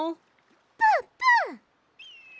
ぷんぷん。